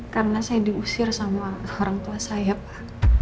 karena saya diusir sama orang tua saya pak